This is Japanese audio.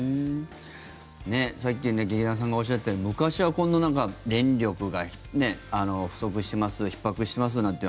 さっき劇団さんがおっしゃったように昔はこんな電力が不足してますひっ迫してますなんて